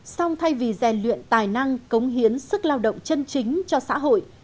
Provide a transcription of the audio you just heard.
xong thay vì rèn luyện tài năng cống hiến sức lao động chân chính cho xã hội